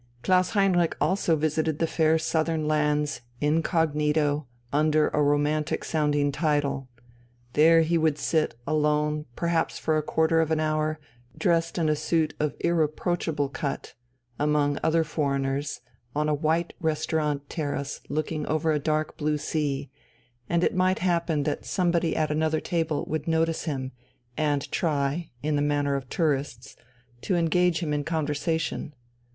Klaus Heinrich also visited the fair Southern lands, incognito, under a romantic sounding title. There he would sit, alone, perhaps for a quarter of an hour, dressed in a suit of irreproachable cut, among other foreigners on a white restaurant terrace looking over a dark blue sea, and it might happen that somebody at another table would notice him, and try, in the manner of tourists, to engage him in conversation.